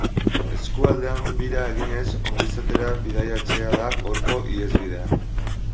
Eskualdean bira eginez ongizatera bidaiatzea da gaurko ihesbidea.